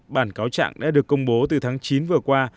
bản cáo trạng đã được công bố từ tháng chín vừa qua